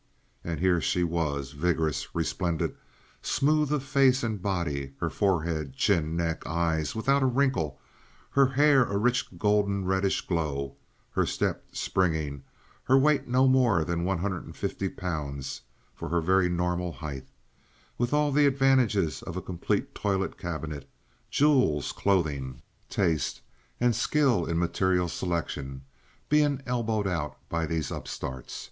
And here she was—vigorous, resplendent, smooth of face and body, her forehead, chin, neck, eyes without a wrinkle, her hair a rich golden reddish glow, her step springing, her weight no more than one hundred and fifty pounds for her very normal height, with all the advantages of a complete toilet cabinet, jewels, clothing, taste, and skill in material selection—being elbowed out by these upstarts.